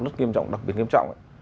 rất nghiêm trọng đặc biệt nghiêm trọng